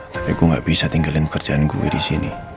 tapi gue nggak bisa tinggalin pekerjaan gue di sini